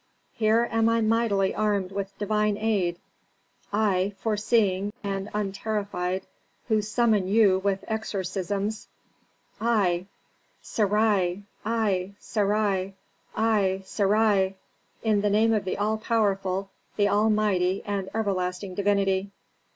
"Here am I mightily armed with Divine aid, I, foreseeing and unterrified, who summon you with exorcisms Aye, Saraye, Aye, Saraye, Aye, Saraye in the name of the all powerful, the all mighty and everlasting divinity."